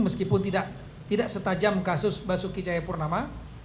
meskipun tidak setajam kasus basuki cahayapurnama